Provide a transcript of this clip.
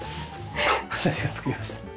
私が作りました。